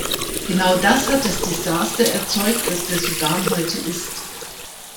Genau das hat das Desaster erzeugt, das der Sudan heute ist.